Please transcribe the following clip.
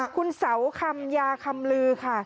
คุณเสาคำยาคำลือค่ะ